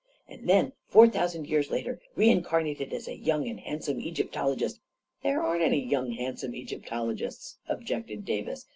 And then, four thou sand years later, reincarnated as a young and hand some Egyptologist ..."" There aren't any young and handsome Egypto logists," objected Davis.